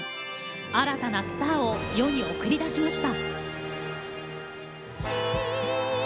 新たなスターを世に送り出しました。